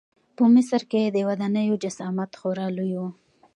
په مصر کې د ودانیو جسامت خورا لوی و.